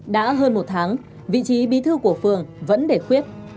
đã hơn một tháng vị trí bí thư của phường vẫn để quyết